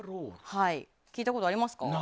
聞いたことありますか？